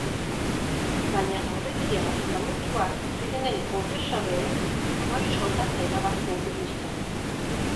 Baina aurretiaz damutuak zirenen konfesoreek hamabi soldata irabazten zituzten.